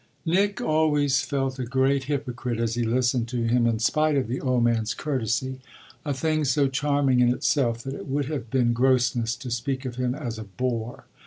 Nick always felt a great hypocrite as he listened to him, in spite of the old man's courtesy a thing so charming in itself that it would have been grossness to speak of him as a bore.